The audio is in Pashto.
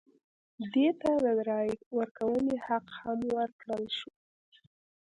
دوی ته د رایې ورکونې حق هم ورکړل شو.